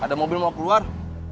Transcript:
ada mobil mau keluar